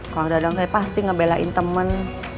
kalau ada yang pasti saya belain teman